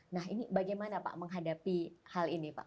nah ini bagaimana pak menghadapi hal ini pak